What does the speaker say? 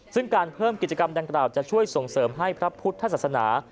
ซึ่งการเพิ่มกิจกรรมดังกล่าวจะช่วยส่งเสริมให้พระพุทธศาสนา